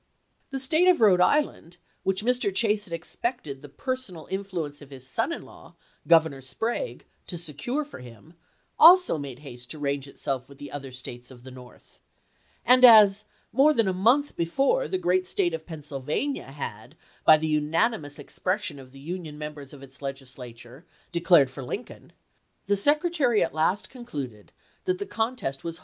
The State of Rhode Island, which Mr. Chase had expected the personal influ ence of his son in law, Governor Sprague, to se cure for him, also made haste to range itself with the other States of the North ; and as, more than a month before, the great State of Pennsylvania had, by the unanimous expression of the Union mem bers of its Legislature, declared for Lincoln, the Secretary at last concluded that the contest was May 5, 1864.